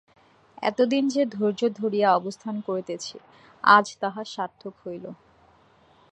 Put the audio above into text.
এতদিন যে ধৈর্য ধরিয়া অবস্থান করিতেছি আজ তাহা সার্থক হইল।